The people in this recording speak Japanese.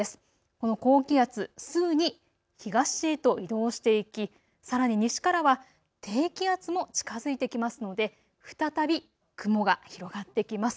この高気圧、すぐに東へと移動していき、さらに西からは低気圧も近づいてきますので再び雲が広がってきます。